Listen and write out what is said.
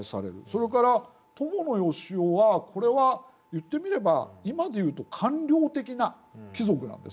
それから伴善男はこれは言ってみれば今で言うと官僚的な貴族なんですよ。